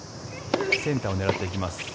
センターを狙っていきます